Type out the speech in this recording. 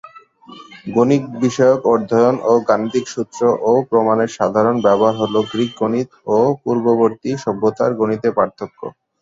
গণিত বিষয়ক অধ্যয়ন ও গাণিতিক সূত্র ও প্রমাণের সাধারণ ব্যবহার হল গ্রিক গণিত ও পূর্ববর্তী সভ্যতার গণিতে পার্থক্য।